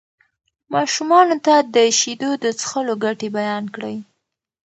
ماشومانو ته د شیدو د څښلو ګټې بیان کړئ.